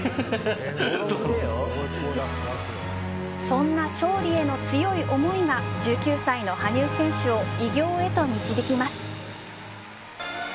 そんな勝利への強い思いが１９歳の羽生選手を偉業へと導きます。